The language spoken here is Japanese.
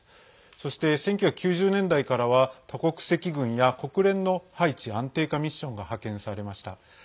そして１９９０年代からは多国籍軍や国連のハイチ安定化ミッションが派遣されました。